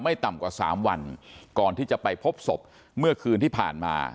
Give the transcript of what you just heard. ต่ำกว่าสามวันก่อนที่จะไปพบศพเมื่อคืนที่ผ่านมา